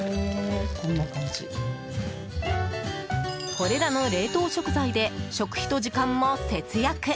これらの冷凍食材で食費と時間も節約。